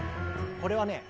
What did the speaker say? これはね